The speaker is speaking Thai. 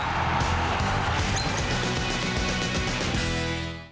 โปรดติดตามตอนต่อไป